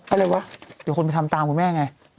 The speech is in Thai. อะไรวะเดี๋ยวคนไปทำตามคุณแม่ไง